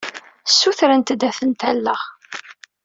Ssutrent-d ad tent-alleɣ.